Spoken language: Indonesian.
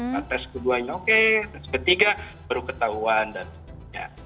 nah tes keduanya oke tes ketiga baru ketahuan dan sebagainya